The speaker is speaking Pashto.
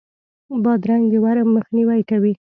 بادرنګ د ورم مخنیوی کوي.